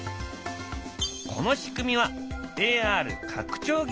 この仕組みはＡＲ拡張